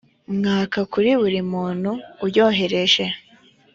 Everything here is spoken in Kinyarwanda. mwaka kuri buri muntu uyohereje